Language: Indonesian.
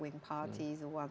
dari partai kanan